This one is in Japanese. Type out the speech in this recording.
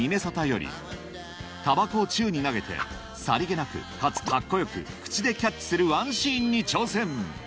タバコを宙に投げてさりげなくかつカッコ良く口でキャッチするワンシーンに挑戦